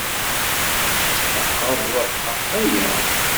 Tetḥeqqeḍ ɣef waya?